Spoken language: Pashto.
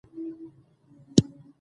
د دولت پالیسۍ د ولس پر ژوند اغېز لري